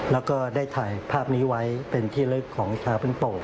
แล้วก็ได้ถ่ายภาพนี้ไว้เป็นที่ลึกของชาวพื้นโป่ง